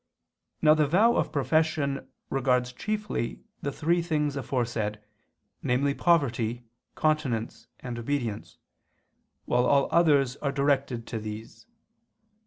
Now the vow of profession regards chiefly the three things aforesaid, namely poverty, continence, and obedience, while all others are directed to these.